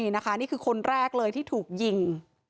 นี่คือคนแรกเลยที่ถูกยิง